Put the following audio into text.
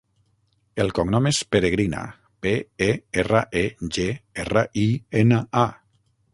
El cognom és Peregrina: pe, e, erra, e, ge, erra, i, ena, a.